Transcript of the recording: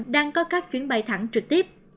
đang có các chuyến bay thẳng trực tiếp